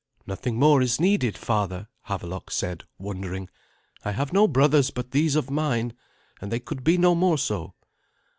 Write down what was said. "Nothing more is needed, father," Havelok said, wondering. "I have no brothers but these of mine, and they could be no more so."